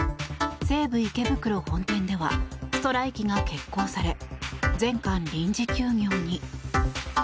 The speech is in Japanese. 西武池袋本店ではストライキが決行され全館臨時休業に。